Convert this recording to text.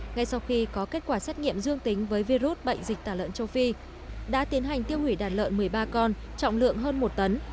ngay sau khi có kết quả xét nghiệm dương tính với virus bệnh dịch tả lợn châu phi đã tiến hành tiêu hủy đàn lợn một mươi ba con trọng lượng hơn một tấn